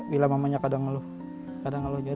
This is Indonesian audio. bila mamanya kadang ngelelah kadang ngelelah juga